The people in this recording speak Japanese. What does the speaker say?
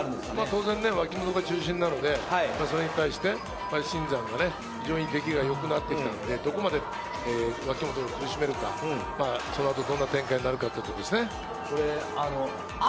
当然、脇本が中心なので、それに新山の出来が良くなっているので、どこまで脇本を苦しめるか、この後、どんな展開になるのかというところですね。